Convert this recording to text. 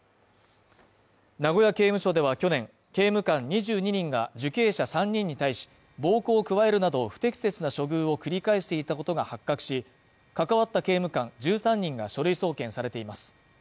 名古屋刑務所では去年、刑務官２２人が受刑者３人に対し、暴行を加えるなど不適切な処遇を繰り返していたことが発覚し、関わった刑務官１３人が書類送検されています。